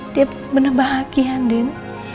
dia bener bahagia din